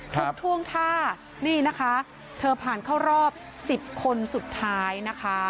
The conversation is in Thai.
ทุกท่วงท่านี่นะคะเธอผ่านเข้ารอบ๑๐คนสุดท้ายนะคะ